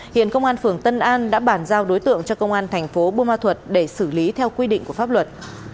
hiện công an phường tân an đã bản giao đối tượng cho công an thành phố bô ma thuật để xử lý theo quy định của pháp luật